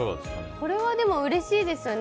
これはうれしいですよね。